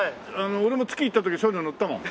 俺も月行った時そういうの乗ったもん。